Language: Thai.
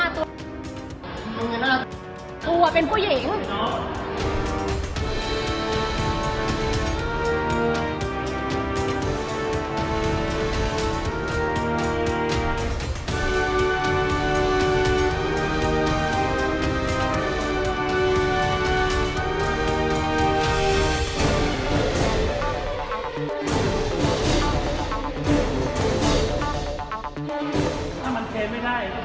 ถ้ามันเทไม่ได้